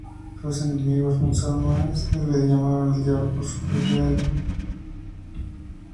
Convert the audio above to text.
Sus enemigos musulmanes le llamaban el Diablo por su ferocidad y energía.